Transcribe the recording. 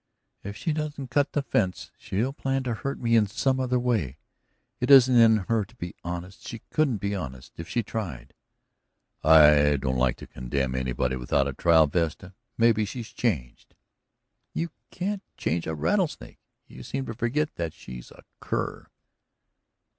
"If she doesn't cut the fence she'll plan to hurt me in some other way. It isn't in her to be honest; she couldn't be honest if she tried." "I don't like to condemn anybody without a trial, Vesta. Maybe she's changed." "You can't change a rattlesnake. You seem to forget that she's a Kerr."